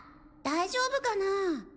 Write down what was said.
大丈夫かなあ？